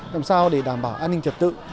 làm sao để đảm bảo an ninh trật tự